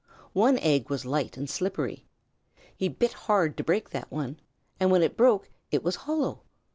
One egg was light and slippery. He bit hard to break that one, and when it broke it was hollow.